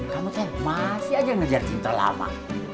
kamu kayak masih aja ngejar cinta lama